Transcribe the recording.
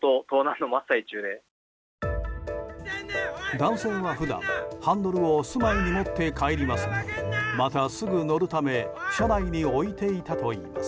男性は普段、ハンドルを住まいに持って帰りますがまたすぐ乗るため車内に置いていたといいます。